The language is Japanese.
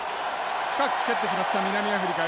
深く蹴ってきました南アフリカ。